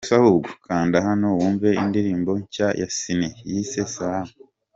Kanda hano wumve indirimbo nshya ya Ciney yise Salama.